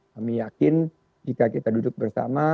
kami yakin jika kita duduk bersama